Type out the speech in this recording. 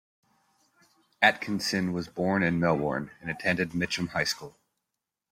Atkinson was born in Melbourne, and attended Mitcham High School.